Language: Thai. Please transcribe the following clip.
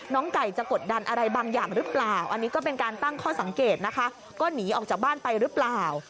ไก่จะกดดันอะไรบางอย่างหรือเปล่าอันนี้ก็เป็นการตั้งข้อสังเกตนะคะก็หนีออกจากบ้านไปหรือเปล่า